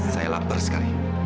saya lapar sekali